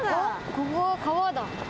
ここは川だ。